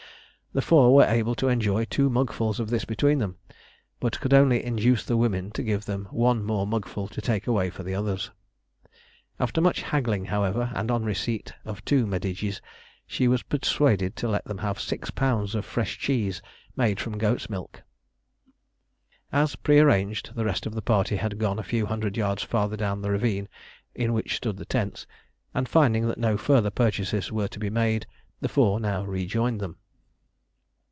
The four were able to enjoy two mugfuls of this between them, but could only induce the woman to give them one more mugful to take away for the others. After much haggling, however, and on receipt of two medjidies, she was persuaded to let them have six pounds of fresh cheese made from goats' milk. As prearranged, the rest of the party had gone a few hundred yards farther down the ravine in which stood the tents, and finding that no further purchases were to be made the four now rejoined them.